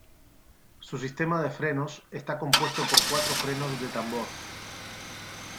Su sistema de frenos está compuesto por cuatro frenos de tambor.